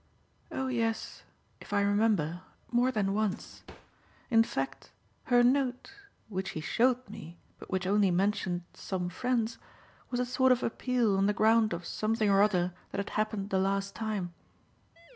"Oh yes if I remember more than once. In fact her note which he showed me, but which only mentioned 'some friends' was a sort of appeal on the ground of something or other that had happened the last time."